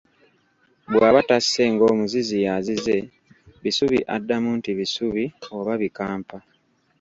Bw'aba tasse ng'omuzizi yazize bisubi addamu nti bisubi oba bikampa.